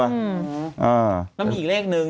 แล้วมีอีกเลขนึง